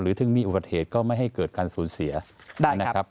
ถึงมีอุบัติเหตุก็ไม่ให้เกิดการสูญเสียนะครับ